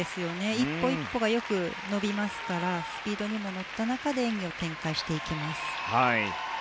１歩１歩がよく伸びますからスピードにも乗った中で演技を展開していきます。